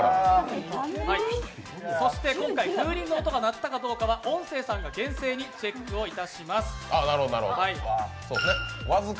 そして今回風鈴の音が鳴ったかどうかは音声さんが厳正にチェックします。